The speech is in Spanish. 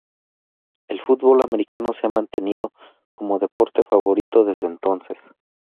El fútbol americano se ha mantenido como deporte favorito desde entonces.